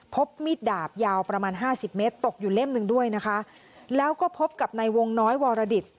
พบมีดดาบยาวประมาณห้าสิบเมตรตกอยู่เล่มหนึ่งด้วยนะคะแล้วก็พบกับในวงน้อยวรดิต